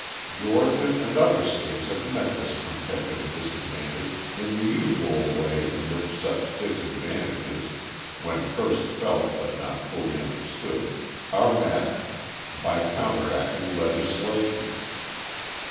Georgia and other states have met this competitive disadvantage in the usual way in which such disadvantages, when first felt but not fully understood, are met, by counteracting legislation.